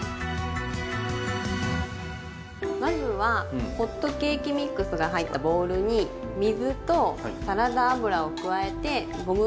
まずはホットケーキミックスが入ったボウルに水とサラダ油を加えてゴムべらで混ぜて下さい。